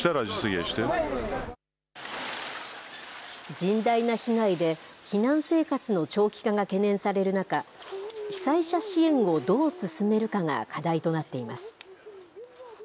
甚大な被害で、避難生活の長期化が懸念される中、被災者支援をどう進めるかが課題となっています。